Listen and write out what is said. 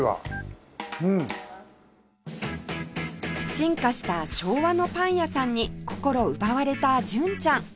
進化した昭和のパン屋さんに心奪われた純ちゃん